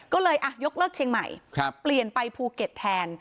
ก็เลยยกเลิกเชียงใหม่เปลี่ยนไปภูเก็ตแทน